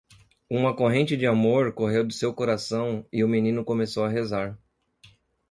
Uma corrente de amor correu de seu coração e o menino começou a rezar.